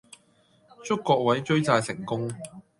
祝各位追債成功